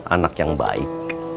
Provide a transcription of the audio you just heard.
anak yang baik